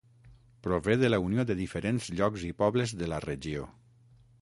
Prové de la unió de diferents llocs i pobles de la regió.